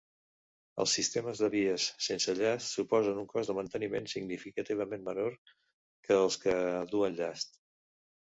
Els sistemes de vies sense llast suposen un cost de manteniment significativament menor que els que duen llast.